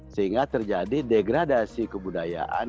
sehingga terjadi degradasi kebudayaan